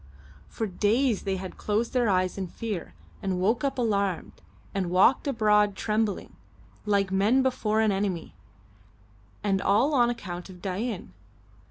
For days they had closed their eyes in fear, and woke up alarmed, and walked abroad trembling, like men before an enemy. And all on account of Dain.